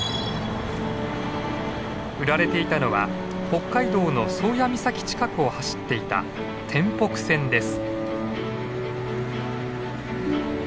売られていたのは北海道の宗谷岬近くを走っていた天北線です。